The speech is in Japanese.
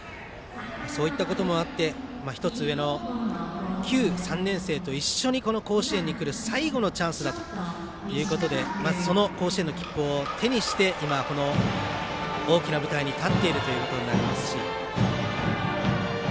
そういったこともあって１つ上の旧３年生と一緒に甲子園に来る最後のチャンスだということでその甲子園の切符を手にして大きな舞台に立っているということになります。